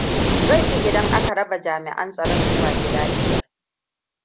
Zai fi idan aka raba jami'an tsaron zuwa gida biyar.